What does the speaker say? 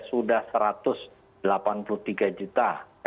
sudah satu ratus delapan puluh tiga juta